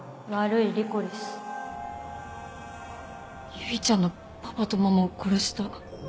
唯ちゃんのパパとママを殺した。